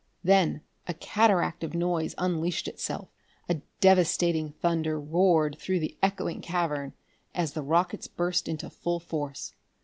Then a cataract of noise unleashed itself; a devastating thunder roared through the echoing cavern as the rockets burst into full force.